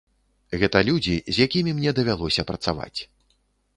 Гэта людзі, з якімі мне давялося працаваць.